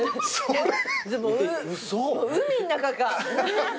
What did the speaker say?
海ん中か。